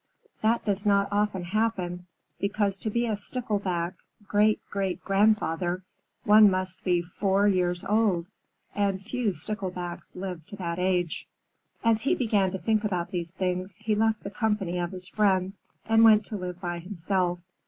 That does not often happen, because to be a Stickleback Great great grandfather, one must be four years old, and few Sticklebacks live to that age. As he began to think about these things, he left the company of his friends and went to live by himself.